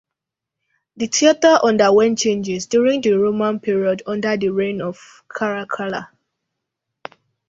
The theater underwent changes during the Roman period under the reign of Caracalla.